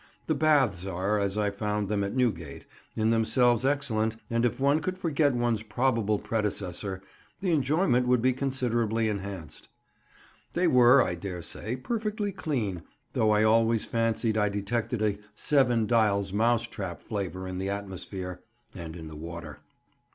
The Baths are, as I found them at Newgate, in themselves excellent, and if one could forget one's probable predecessor, the enjoyment would be considerably enhanced. They were, I daresay, perfectly clean, though I always fancied I detected a Seven Dials mouse trap flavour in the atmosphere, and in the water.